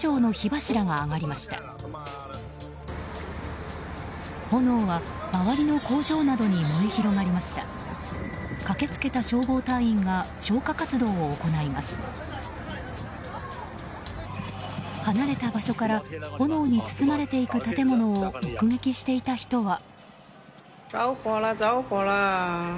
離れた場所から炎に包まれていく建物を目撃していた人は。